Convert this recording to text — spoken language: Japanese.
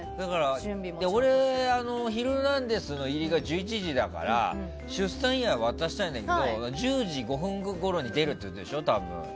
俺、「ヒルナンデス！」の入りが１１時だから出産祝い渡したいんだけど１０時５分ごろに出るってことでしょ、多分。